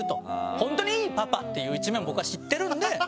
ホントにいいパパっていう一面を僕は知ってるんで。